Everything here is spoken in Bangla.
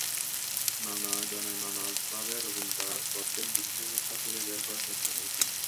নানা জনে নানা ভাবে রবীন্দ্র-গদ্যের বিশিষ্টতা খুঁজে বের করার চেষ্টা করেছেন।